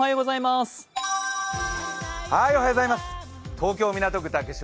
東京・港区竹芝